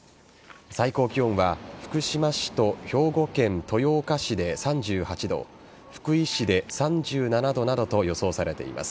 最高気温は福島市と兵庫県豊岡市で３８度福井市で３７度などと予想されています。